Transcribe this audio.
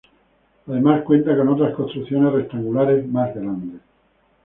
Además cuenta con otras construcciones rectangulares más grandes.